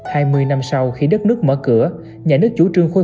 hai mươi năm sau khi đất nước mở cửa nhà nước chủ trương khôi